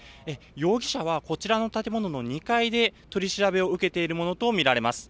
容疑者はこちらの建物の２階で取り調べを受けているものと見られます。